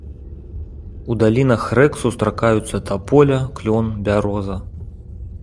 У далінах рэк сустракаюцца таполя, клён, бяроза.